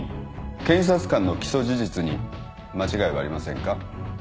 検察官の起訴事実に間違いはありませんか。